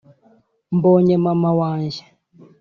mbonye mama wanjye